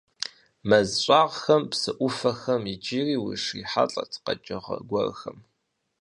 Мэз щӀагъхэм, псы Ӏуфэхэм иджыри ущрихьэлӀэрт къэкӀыгъэ гуэрхэм.